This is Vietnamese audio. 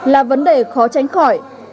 là vấn đề khó tránh khỏi